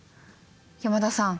山田さん。